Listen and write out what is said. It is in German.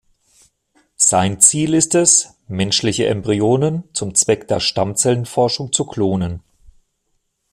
Sein Ziel ist es, menschliche Embryonen zum Zweck der Stammzellenforschung zu klonen.